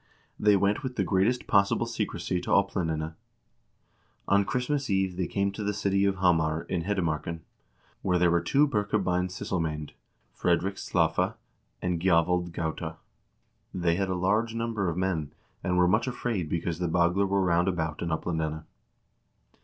They went with the greatest possible . secrecy to Oplandene. On Christmas eve they came to the city of Hamar, in Hedemarken, where there were two Birkebein syssclmccnd, Fredrik Slaffe and Gjavald Gaute. They had a large number of men, and were much afraid because the Bagler were round about in Oplandene.